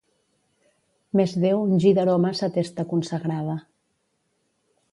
Mes Déu ungí d'aroma sa testa consagrada.